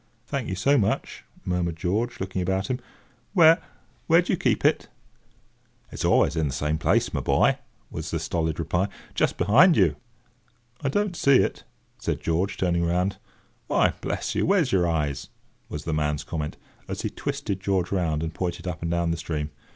"Thank you so much," murmured George, looking about him. "Where—where do you keep it?" "It's always in the same place my boy," was the stolid reply: "just behind you." "I don't see it," said George, turning round. "Why, bless us, where's your eyes?" was the man's comment, as he twisted George round and pointed up and down the stream.